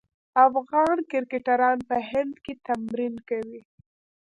افغان کرکټران په هند کې تمرین کوي.